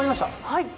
はい。